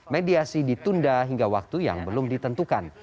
mediasi ditunda hingga waktu yang belum ditentukan